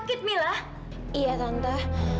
di sini akan benar other